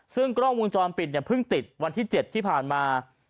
ซึ่งกล้องวงจรปิดเนี่ยเพิ่งติดวันที่๗ที่ผ่านมา